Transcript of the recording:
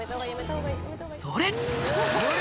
「それ！」